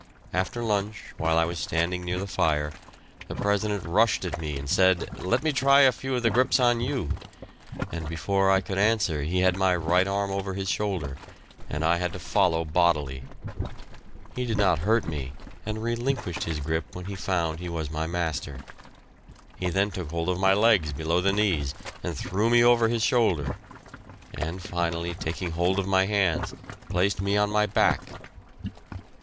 After lunch, while I was standing near the fire, the President rushed at me and said, "Let me try a few of the grips on you," and before I could answer he had my right arm over his shoulder, and I had to follow bodily. He did not hurt me, and relinquished his grip when he found he was my master. He then took hold of my legs below the knees and threw me over his shoulder, and finally, taking hold of my hands, placed me on my back.